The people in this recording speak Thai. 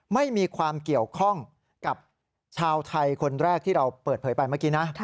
ไม่มีความเกี่ยวข้องกับชาวไทยคนแรกที่เราเปิดเผยไปเมื่อกี้นะ